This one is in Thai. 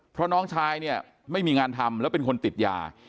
เพราะน้องชายเนี่ยไม่มีงานทำแล้วเป็นคนติดยา